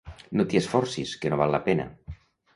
No t'hi esforcis, que no val la pena.